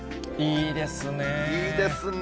いいですね。